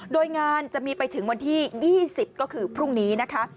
โดยงานจะมีไปถึงวันที่๒๐ก็คือพรุ่งนี้นะคะ